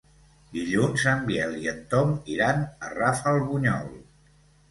Dilluns en Biel i en Tom iran a Rafelbunyol.